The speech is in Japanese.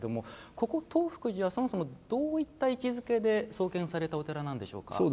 ここ東福寺はそもそもどういった位置づけで創建されたお寺なんでしょうか。